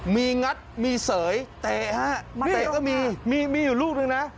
มีงัดมีเสยเตะฮะเตะก็มีมีอยู่ลูกนึงนะ